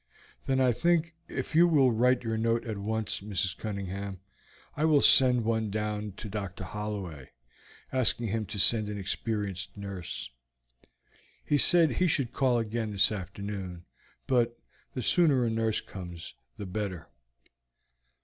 "Then I think, if you will write your note at once, Mrs. Cunningham, I will send one down to Dr. Holloway, asking him to send an experienced nurse. He said he should call again this afternoon, but the sooner a nurse comes the better."